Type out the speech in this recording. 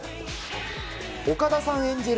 岡田さん演じる